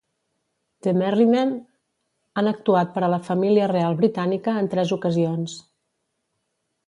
The Merrymen han actuat per a la Família Real Britànica en tres ocasions.